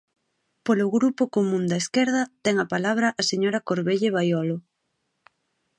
Polo Grupo Común da Esquerda, ten a palabra a señora Corvelle Baiolo.